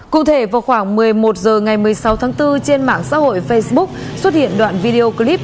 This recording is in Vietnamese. cụ thể vào khoảng một mươi một h ngày một mươi sáu tháng bốn trên mạng xã hội facebook xuất hiện đoạn video clip